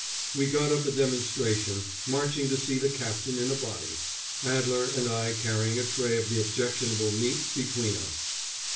We got up a demonstration, marching to see the captain in a body, Adler and I carrying a tray of the objectionable meat between us.